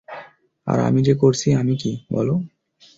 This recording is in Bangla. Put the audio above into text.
আর আমি যে করছি, আমি কী, বল?